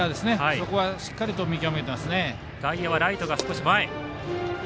そこはしっかりと見極めてます。